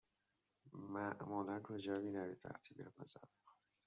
معمولا کجا می روید وقتی بیرون غذا می خورید؟